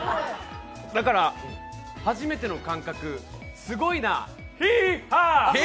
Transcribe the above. だから、初めての感覚すごいなあ！